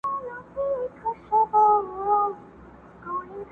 او له خپل کاره اغېزمن ښکاري.